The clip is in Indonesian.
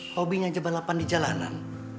hobinya aja balapan di jalanan